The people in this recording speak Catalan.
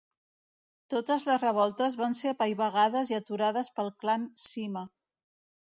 Totes les revoltes van ser apaivagades i aturades pel clan Sima.